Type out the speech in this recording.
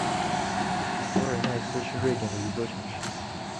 博尔奈斯是瑞典的一座城市。